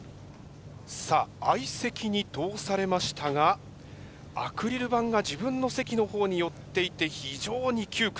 さあ相席に通されましたがアクリル板が自分の席の方に寄っていて非常に窮屈。